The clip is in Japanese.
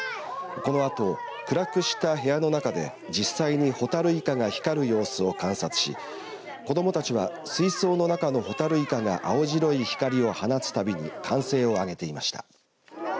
このあと暗くした部屋の中で実際にほたるいかが光る様子を観察し子どもたちは水槽の中のほたるいかが青白い光を放つたびに歓声を上げていました。